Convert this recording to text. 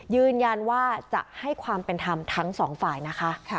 ยืนยันว่าจะให้ความเป็นธรรมทั้งสองฝ่ายนะคะ